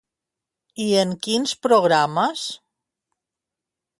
I en quins programes?